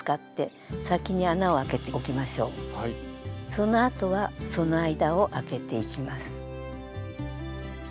そのあとはその間をあけていきます。